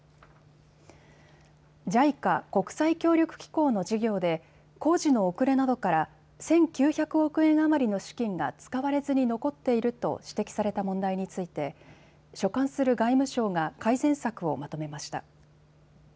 ＪＩＣＡ・国際協力機構の事業で、工事の遅れなどから１９００億円余りの資金が使われずに残っていると指摘された問題について、所管する外務省が改善策をまとめました。